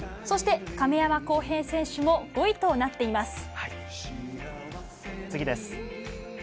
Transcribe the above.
亀山耕平選手も５位となっています。